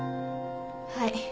はい。